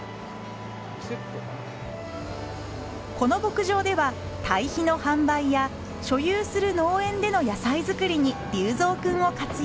この牧場ではたい肥の販売や所有する農園での野菜作りに粒造くんを活用。